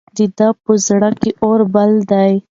د ده په زړه کې اور بل دی.